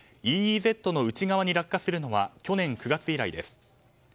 ＥＥＺの内側に落下するのは去年９月以来です。